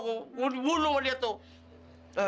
gue dibunuh dia tuh